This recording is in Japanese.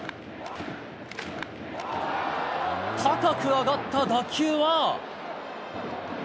高く上がった打球は。